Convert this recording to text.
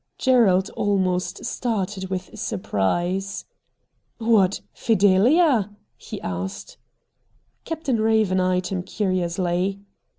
Gerald almost started with surprise. « What— Fideha P ' he asked. Captain Eaven eyed him curiously.